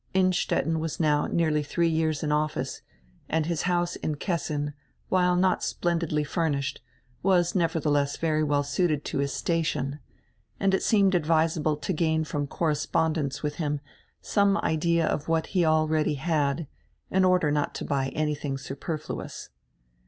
Innstetten was now nearly diree years in office, and his house in Kessin, while not splendidly furnished, was neverdieless very well suited to his station, and it seemed advisable to gain from correspondence widi him some idea of what he already had, in order not to buy anything superfluous.